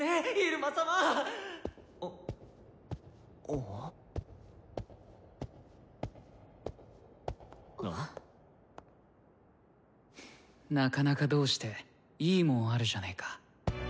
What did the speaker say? なかなかどうしていいもんあるじゃねえか。